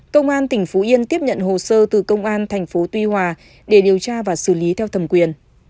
công an tỉnh phú yên tiếp nhận hồ sơ từ công an thành phố tuy hòa để điều tra và xử lý theo thẩm quyền